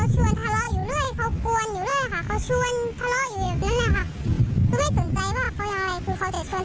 จะเอาให้ได้จะเอาให้ตาย